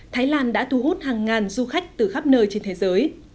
thái lan đã thu hút hàng ngàn du khách từ khắp nơi trên thế giới